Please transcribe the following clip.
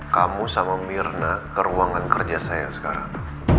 kamu sama mirna ke ruangan kerja saya sekarang